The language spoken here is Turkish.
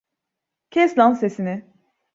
Kes lan sesini!